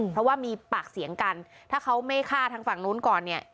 เพราะว่ามีปากเสียงกันถ้าเขาไม่ฆ่าทางฝั่งนู้นก่อนเนี่ย